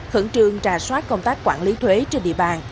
khẩn trương trà soát công tác quản lý thuế trên địa bàn